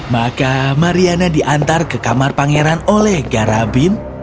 maka mariana diantar ke kamar pangeran oleh garabin